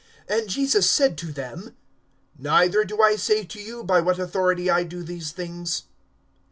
(8)And Jesus said to them: Neither do I say to you, by what authority I do these things.